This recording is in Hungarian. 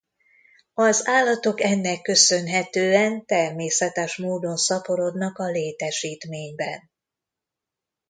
Az állatok ennek köszönhetően természetes módon szaporodnak a létesítményben.